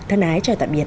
thân ái chào tạm biệt